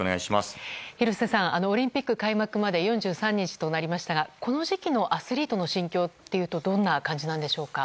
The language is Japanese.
廣瀬さん、オリンピック開幕まで４３日となりましたがこの時期のアスリートの心境というとどんな感じなんでしょうか。